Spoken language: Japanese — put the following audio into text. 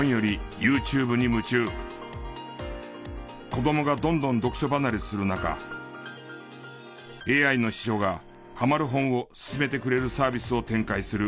子どもがどんどん読書離れする中ＡＩの司書がハマる本を薦めてくれるサービスを展開する。